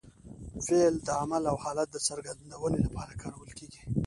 فعل د عمل او حالت د څرګندوني له پاره کارول کېږي.